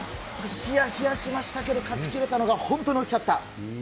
ひやひやしましたけれども、勝ちきれたのが本当に大きかった。